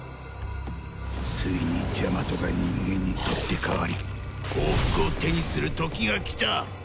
ついにジャマトが人間に取って代わり幸福を手にする時が来た！